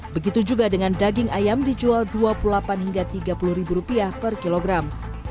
begitu juga dengan daging ayam dijual rp dua puluh delapan hingga tiga puluh ribu rupiah per kilogram